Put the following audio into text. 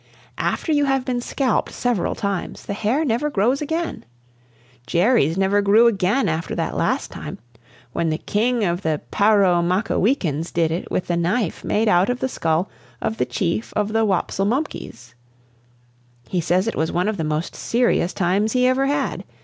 "After you have been scalped several times the hair never grows again. Jerry's never grew again after that last time, when the King of the Parromachaweekins did it with the knife made out of the skull of the Chief of the Wopslemumpkies. He says it was one of the most serious times he ever had.